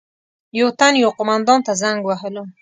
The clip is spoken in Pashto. یو تن یو قومندان ته زنګ وهلو.